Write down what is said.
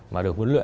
mà được huấn luyện